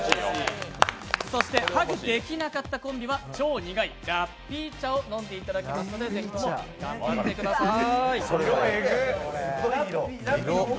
そして、ハグできなかったコンビは超苦いラッピー茶を飲んでいただきますので頑張ってください。